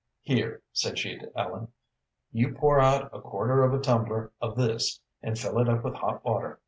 "Here," said she to Ellen, "you pour out a quarter of a tumbler of this, and fill it up with hot water.